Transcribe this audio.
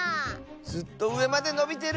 ずっとうえまでのびてる！